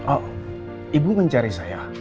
oh ibu mencari saya